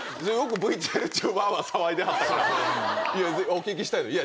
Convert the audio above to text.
お聞きしたい。